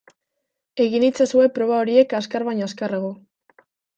Egin itzazue proba horiek azkar baino azkarrago.